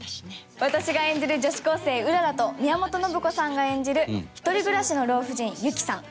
私が演じる女子高生うららと宮本信子さんが演じる一人暮らしの老婦人雪さん。